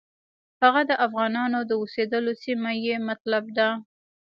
هغه د افغانانو د اوسېدلو سیمه یې مطلب ده.